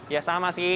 ya sama sih